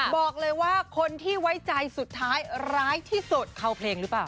บอกเลยว่าคนที่ไว้ใจสุดท้ายร้ายที่สุดเข้าเพลงหรือเปล่า